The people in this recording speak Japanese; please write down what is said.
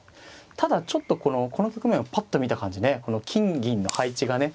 ただちょっとこの局面をぱっと見た感じね金銀の配置がね